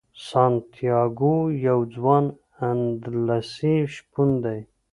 سانتیاګو یو ځوان اندلسي شپون دی.